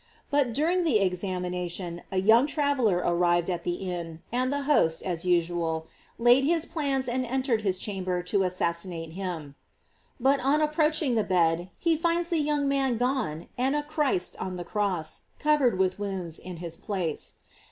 But during the examination, a young traveller arrived at the inn, and the host, as usual, laid his plans and entered his chamber to assassinate him: but on approaching the bed, he finds the young man gone and a Christ on the cross, covered with wounds, in his place.